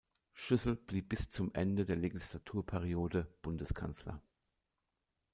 Schüssel blieb bis zum Ende der Legislaturperiode Bundeskanzler.